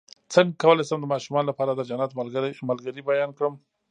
څنګه کولی شم د ماشومانو لپاره د جنت ملګري بیان کړم